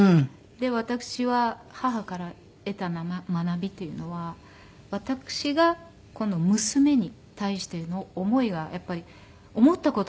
で私は母から得た学びというのは私がこの娘に対しての思いがやっぱり思った事もない。